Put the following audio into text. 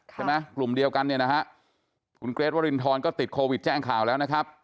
ใช่ไหมกลุ่มเดียวกันเนี่ยนะฮะคุณเกรทวรินทรก็ติดโควิดแจ้งข่าวแล้วนะครับ